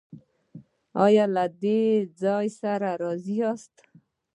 ایا له دې ځای راضي یاست؟